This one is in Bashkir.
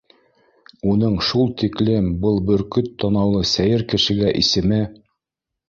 — Уның шул тиклем был бөркөт танаулы сәйер кешегә исеме